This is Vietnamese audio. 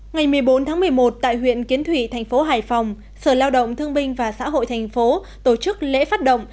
ngày một mươi bốn tháng một mươi một tại huyện kiến thủy thành phố hải phòng sở lao động thương binh và xã hội thành phố tổ chức lễ phát động